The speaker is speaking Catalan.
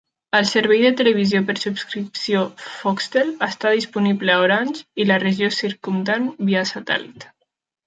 El servei de televisió per subscripció "Foxtel" està disponible a Orange i la regió circumdant via satèl·lit.